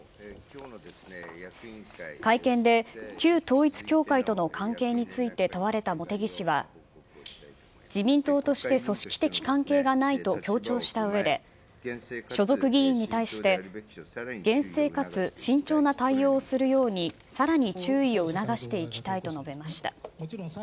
会見で旧統一教会との関係について問われた茂木氏は、自民党として組織的関係がないと強調したうえで、所属議員に対して厳正かつ慎重な対応をするように、さらに注意を促していきたいと述べました。